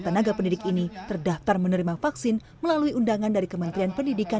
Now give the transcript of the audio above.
tenaga pendidik ini terdaftar menerima vaksin melalui undangan dari kementerian pendidikan